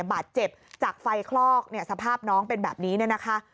บาดเจ็บจากไฟคลอกสภาพน้องเป็นแบบนี้นะคะ